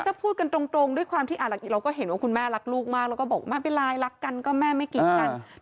ถ้าพูดกันตรงด้วยความที่เราก็เห็นว่าคุณแม่รักลูกมากแล้วก็บอกไม่เป็นไรรักกันก็แม่ไม่กีดกัน